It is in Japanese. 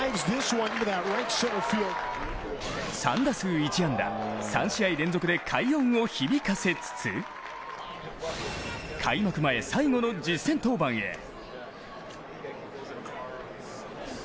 ３打数１安打３試合連続で快音を響かせつつ開幕前、最後の実戦登板へ。